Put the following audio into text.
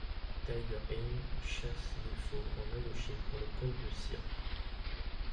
Tiger Haynes chasse des fauves en Indochine pour le compte de cirques.